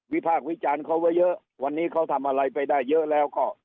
พากษ์วิจารณ์เขาไว้เยอะวันนี้เขาทำอะไรไปได้เยอะแล้วก็